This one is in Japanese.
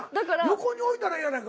横に置いたらええやないかい。